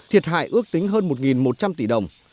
thiệt hại ước tính hơn một một trăm linh tỷ đồng